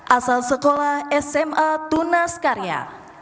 asal sekolah sma tunaskarya